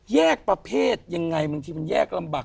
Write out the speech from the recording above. แยกประเภทยังไงบางทีมันแยกลำบาก